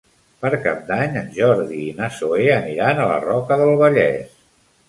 Per Cap d'Any en Jordi i na Zoè aniran a la Roca del Vallès.